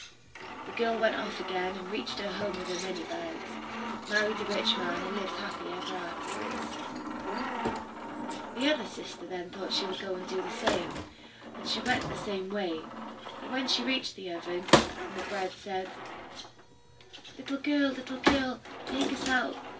The girl then went off again, and reached her home with her money bags, married a rich man, and lived happy ever afterwards. The other sister then thought she would go and do the same. And she went the same way. But when she reached the oven, and the bread said, "Little girl, little girl, take us out.